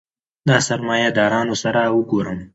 د سرمایه دارانو سره وګورم.